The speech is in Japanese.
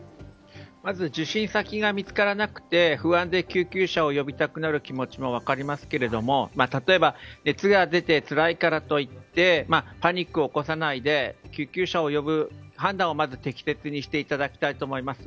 まず受診先が見つからなくて不安で救急車を呼びたくなる気持ちも分かりますけれども例えば熱が出てつらいからといってパニックを起こさないで救急車を呼ぶ判断を適切にしていただきたいと思います。